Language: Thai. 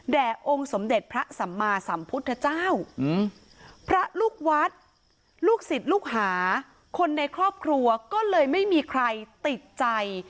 องค์สมเด็จพระสัมมาสัมพุทธเจ้าพระลูกวัดลูกศิษย์ลูกหาคนในครอบครัวก็เลยไม่มีใครติดใจ